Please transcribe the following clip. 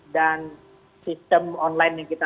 dan sistem online pelayanan